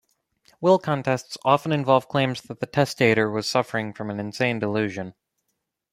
Will contests often involve claims that the testator was suffering from an insane delusion.